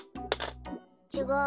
ちがう。